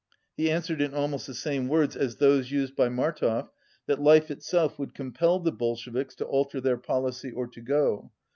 He answered in almost the same words as those used by Martov, that life itself would compel the Bol sheviks to alter their policy or to go.